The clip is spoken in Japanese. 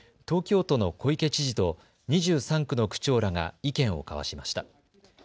東京都の小池知事と２３区の区長らが意見を交わしました。